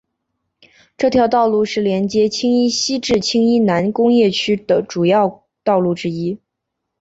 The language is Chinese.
这条道路是连接青衣西至青衣南工业区主要道路之一。